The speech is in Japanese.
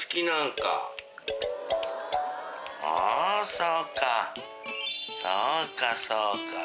そうかそうかそうか。